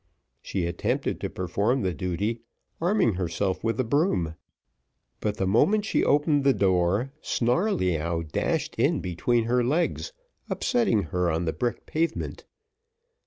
She attempted to perform the duty, arming herself with the broom; but the moment she opened the door Snarleyyow dashed in between her legs, upsetting her on the brick pavement.